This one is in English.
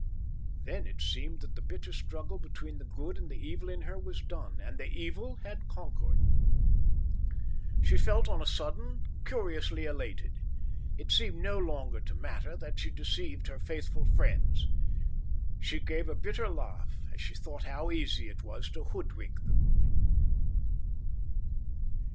Then it seemed that the bitter struggle between the good and the evil in her was done, and the evil had conquered. She felt on a sudden curiously elated. It seemed no longer to matter that she deceived her faithful friends. She gave a bitter laugh, as she thought how easy it was to hoodwink them.